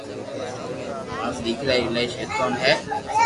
مارا ديڪرا ايلائي ݾيطئن ھي